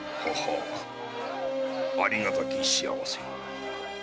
ありがたき幸せ。